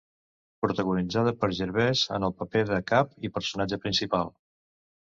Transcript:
Protagonitzada per Gervais en el paper de cap i personatge principal.